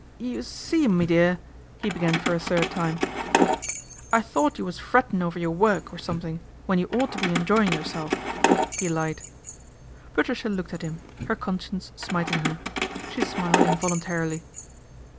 ' You see, me dear," he began for a third time, ' I thought you was frettin' over your work or something, when you ought to be enjoyin' your self," he lied. Patricia looked at him, her conscience smiting ler. She smiled involuntarily.